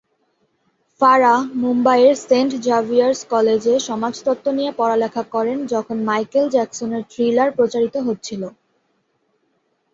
ফারাহ মুম্বাইয়ের Saint Xavier's কলেজে সমাজতত্ত্ব নিয়ে পড়ালেখা করেন যখন মাইকেল জ্যাকসনের থ্রিলার প্রচারিত হচ্ছিল।